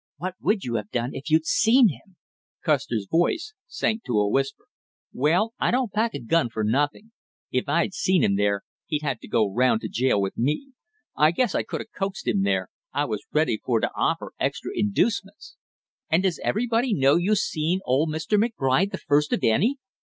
"What would you have done if you'd seen him?" Custer's voice sank to a whisper. "Well, I don't pack a gun for nothing. If I'd seen him there, he'd had to go 'round to the jail with me. I guess I could have coaxed him there; I was ready for to offer extra inducements!" "And does everybody know you seen old Mr. McBride the first of any?"